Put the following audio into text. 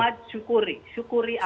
syukuri apa aja